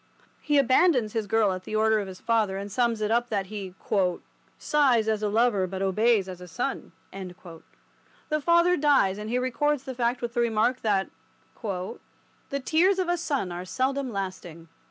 He abandons his girl at the order of his father, and sums it up that he "sighs as a lover but obeys as a son." The father dies, and he records the fact with the remark that "the tears of a son are seldom lasting."